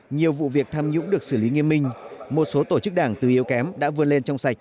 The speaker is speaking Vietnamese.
nhiều vụ việc tham nhũng được xử lý nghiêm minh một số tổ chức đảng từ yếu kém đã vươn lên trong sạch